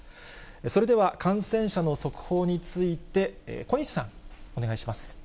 それでは感染者の速報について、小西さん、お願いします。